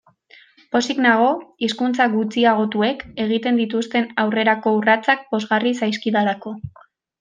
Pozik nago hizkuntza gutxiagotuek egiten dituzten aurrerako urratsak pozgarri zaizkidalako.